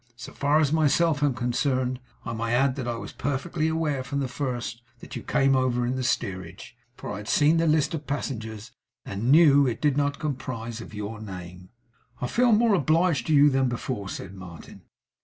So far as I myself am concerned, I may add that I was perfectly aware from the first that you came over in the steerage, for I had seen the list of passengers, and knew it did not comprise your name.' 'I feel more obliged to you than before,' said Martin.